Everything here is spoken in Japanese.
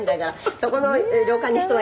「そこの旅館に人はいるの？」